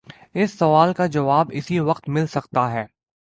اس سوال کا جواب اسی وقت مل سکتا ہے۔